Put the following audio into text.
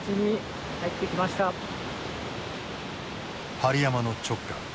針山の直下